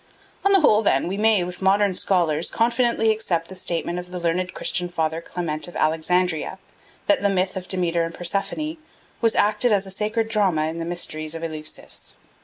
On the whole, then, we may, with many modern scholars, confidently accept the statement of the learned Christian father Clement of Alexandria, that the myth of Demeter and Persephone was acted as a sacred drama in the mysteries of Eleusis.